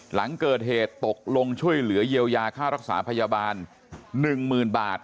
หลังเกิดเหตุตกลงช่วยเหลือเยียวยาค่ารักษาพยาบาล๑๐๐๐บาท